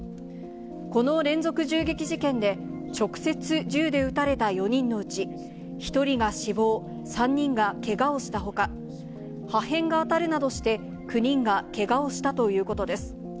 この連続銃撃事件で、直接銃で撃たれた４人のうち、１人が死亡、３人がけがをしたほか、破片が当たるなどして９人がけがをしたということです。